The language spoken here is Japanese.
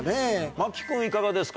真木君いかがですか？